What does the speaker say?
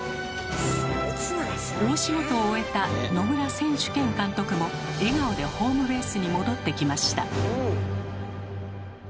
大仕事を終えた野村選手兼監督も笑顔でホームベースに戻ってきました。